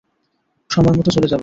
সময়মত চলে যাব।